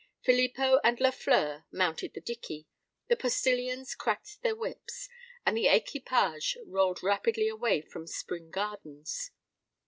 Filippo and Lafleur mounted the dickey: the postillions cracked their whips; and the equipage rolled rapidly away from Spring Gardens.